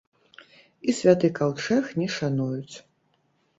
І святы каўчэг не шануюць!